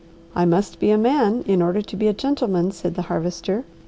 "I must be a man, in order to be a gentleman," said the Harvester.